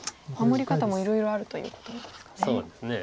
守り方もいろいろあるということなんですかね。